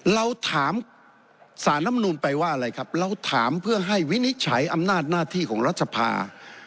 เราถามสารลำนูนไปว่าอะไรครับเราถามเพื่อให้วินิจฉัยอำนาจหน้าที่ของรัฐสภา